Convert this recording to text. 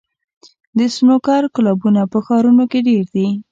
د سنوکر کلبونه په ښارونو کې ډېر دي.